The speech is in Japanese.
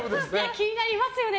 気になりますよね。